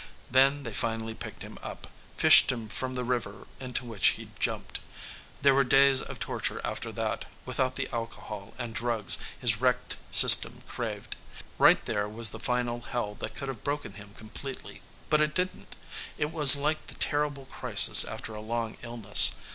Then they finally picked him up, fished him from the river into which he'd jumped. There were days of torture after that, without the alcohol and drugs his wrecked system craved. Right there was the final hell that could have broken him completely. But it didn't. It was like the terrible crisis after a long illness.